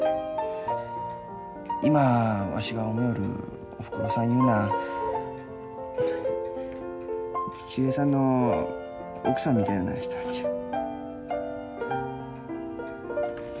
今わしが思いよるおふくろさんいうのは秀平さんの奥さんみたいな人なんじゃ。